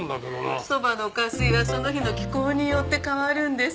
そばの加水はその日の気候によって変わるんです。